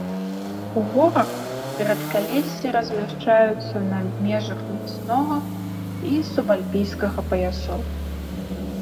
У горах рэдкалессі размяшчаюцца на межах ляснога і субальпійскага паясоў.